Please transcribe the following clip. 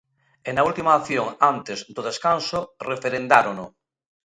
E na última acción antes do descanso referendárono.